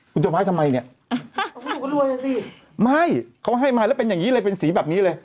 กูจะไหวทำไมเนี่ยไม่เขาให้มาแล้วเป็นอย่างนี้เลยเป็นสีแบบนี้เลย